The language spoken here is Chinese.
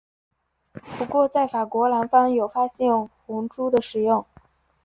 不过在法国南方有发现红赭的使用。